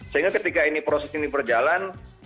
sehingga ketika ini proses ini berjalan